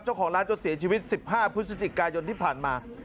เจ้าขร้านจสเสียชีวิตสิบห้าครุศติกายนที่ผ่านมา